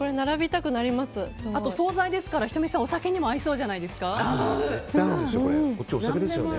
あと、総菜ですから仁美さん、お酒にも合いそうじゃないですか？